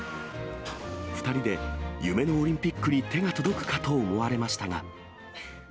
２人で夢のオリンピックに手が届くかと思われましたが。